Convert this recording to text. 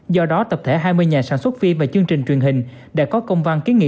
do đó tập thể hai mươi nhà sản xuất phim và chương trình truyền hình đã có công văn ký